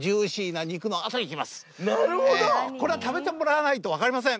これは食べてもらわないと分かりません。